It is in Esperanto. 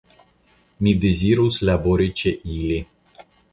Mi dezirus labori ĉe ili.